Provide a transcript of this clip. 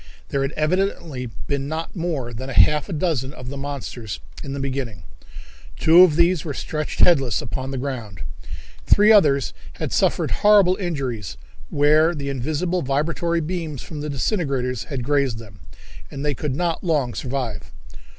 There had evidently been not more than half a dozen of the monsters in the beginning. Two of these were stretched headless upon the ground. Three others had suffered horrible injuries where the invisible vibratory beams from the disintegrators had grazed them, and they could not long survive.